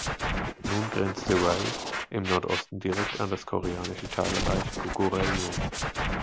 Nun grenzte Wei im Nordosten direkt an das koreanische Teilreich Goguryeo.